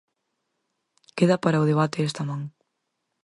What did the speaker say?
Queda para o debate esta man.